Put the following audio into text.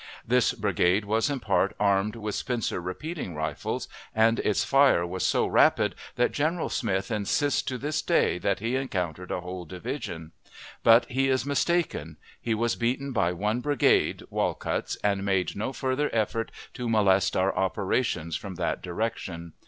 This brigade was in part armed with Spencer repeating rifles, and its fire was so rapid that General Smith insists to this day that he encountered a whole division; but he is mistaken; he was beaten by one brigade (Walcutt's), and made no further effort to molest our operations from that direction.